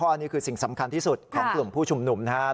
อันนี้คือสิ่งสำคัญที่สุดของกลุ่มผู้ชุมนุมนะครับ